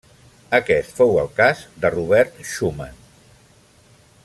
Aquest fou el cas de Robert Schumann.